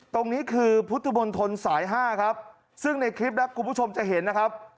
ตรงนี้คือพุทธมนตรสาย๕ครับซึ่งในคลิปนะคุณผู้ชมจะเห็นนะครับ